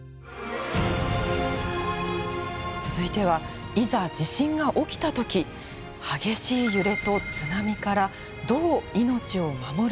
続いてはいざ地震が起きた時激しい揺れと津波からどう命を守るのか。